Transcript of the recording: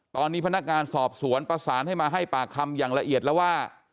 ตอนนี้พนักงานสอบสวนประสานให้มาให้ปากคำอย่างละเอียดแล้วว่า